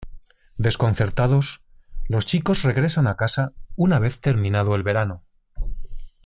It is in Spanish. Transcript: Desconcertados, los chicos regresan a casa una vez terminado el verano.